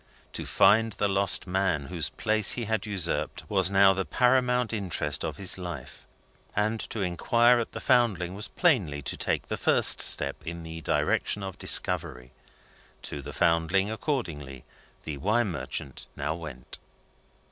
To find the lost man, whose place he had usurped, was now the paramount interest of his life, and to inquire at the Foundling was plainly to take the first step in the direction of discovery. To the Foundling, accordingly, the wine merchant now went.